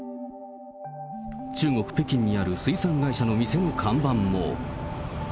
中国・北京にある水産会社の店の看板も。